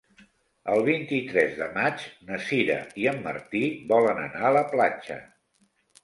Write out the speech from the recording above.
El vint-i-tres de maig na Sira i en Martí volen anar a la platja.